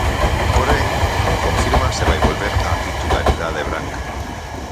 Porén, non confirma se vai volver á titularidade branca.